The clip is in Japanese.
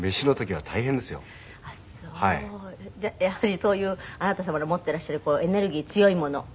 やはりそういうあなた様の持ってらっしゃるエネルギー強いもの